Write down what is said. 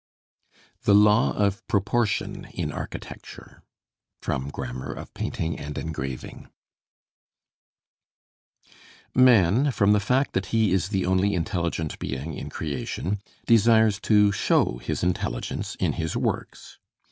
THE LAW OF PROPORTION IN ARCHITECTURE From 'Grammar of Painting and Engraving' Man, from the fact that he is the only intelligent being in creation, desires to show his intelligence in his works.